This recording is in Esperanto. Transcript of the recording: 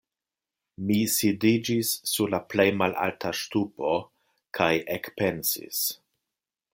Mi sidiĝis sur la plej malalta ŝtupo kaj ekpensis.